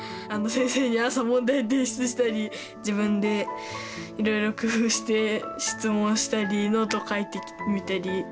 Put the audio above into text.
先生に朝問題提出したり自分でいろいろ工夫して質問したりノート書いてみたり。